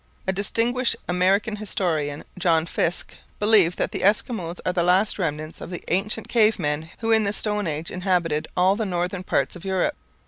A distinguished American historian, John Fiske, believed that the Eskimos are the last remnants of the ancient cave men who in the Stone Age inhabited all the northern parts of Europe.